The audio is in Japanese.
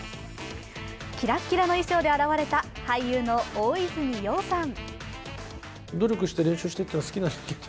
キラッキラの衣装で現れた俳優の大泉洋さん。